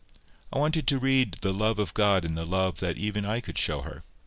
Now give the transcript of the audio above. I wanted her to read the love of God in the love that even I could show her.